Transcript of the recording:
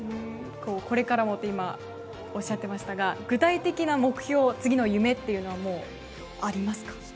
これからもって今、おっしゃっていましたが具体的な目標、次の夢というのはもうありますか？